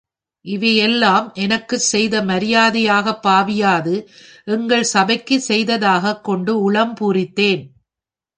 இதையெல்லாம் எனக்குச் செய்த மரியாதையாகப் பாவியாது எங்கள் சபைக்குச் செய்ததாகக் கொண்டு உளம் பூரித்தேன்.